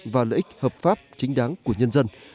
và lợi ích hợp pháp chính đáng của nhân dân